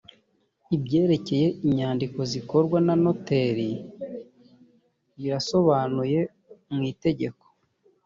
ibyerekeye inyandiko zikorwa na noteri birasobanuye mu itegeko